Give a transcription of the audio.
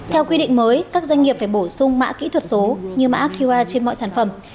theo quy định mới các doanh nghiệp phải bổ sung mã kỹ thuật số như mã qr trên mọi sản phẩm